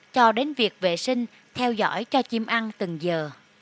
cho đến việc vệ sinh theo dõi cho chim ăn từng giờ